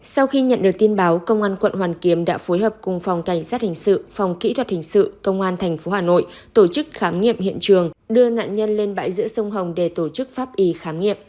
sau khi nhận được tin báo công an quận hoàn kiếm đã phối hợp cùng phòng cảnh sát hình sự phòng kỹ thuật hình sự công an tp hà nội tổ chức khám nghiệm hiện trường đưa nạn nhân lên bãi giữa sông hồng để tổ chức pháp y khám nghiệm